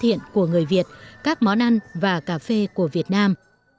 tổng lãnh sự của người việt các món ăn và cà phê của việt nam